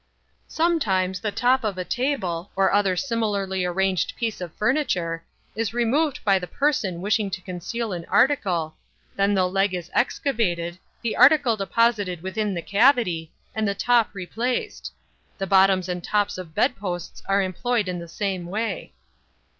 "Sometimes the top of a table, or other similarly arranged piece of furniture, is removed by the person wishing to conceal an article; then the leg is excavated, the article deposited within the cavity, and the top replaced. The bottoms and tops of bedposts are employed in the same way."